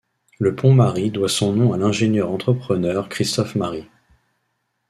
Le pont Marie doit son nom à l'ingénieur-entrepreneur Christophe Marie.